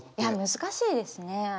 難しいですね。